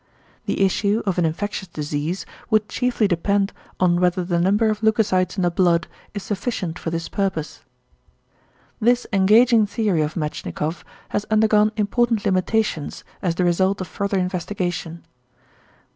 The issue of an infectious disease would chiefly depend on whether the number of leucocytes in the blood is sufficient for this purpose. This engaging theory of Metschnikoff has undergone important limitations as the result of further investigation.